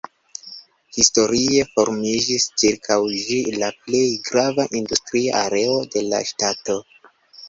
Historie formiĝis ĉirkaŭ ĝi la plej grava industria areo de la ŝtato.